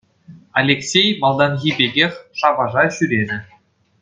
Алексей малтанхи пекех шапаша ҫӳренӗ.